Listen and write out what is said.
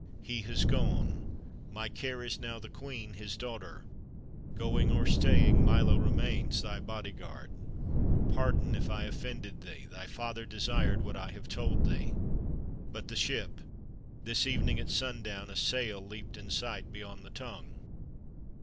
He has gone; my care is now the queen, his daughter. Going or staying, Milo remains thy bodyguard. Pardon if I offended thee; thy father desired what I have told thee. But the ship. This evening, at sundown, a sail leaped in sight beyond the Tongue."